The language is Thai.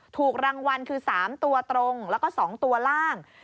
ถูกรางวัลคือ๓ตัวตรงแล้วก็๒ตัวล่าง